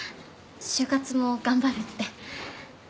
就活も頑張るって。